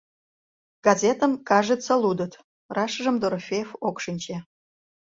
Газетым «кажется, лудыт», рашымжым Дорофеев ок шинче.